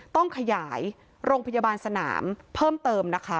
ต้องขยายโรงพยาบาลสนามเพิ่มเติมนะคะ